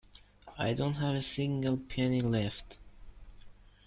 I don't have a single penny left.